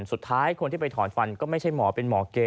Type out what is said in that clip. สุดท้ายคนที่ไปถอนฟันก็ไม่ใช่หมอเป็นหมอเก๊